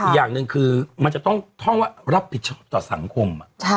อย่างหนึ่งคือมันจะต้องท่องว่ารับผิดชอบต่อสังคม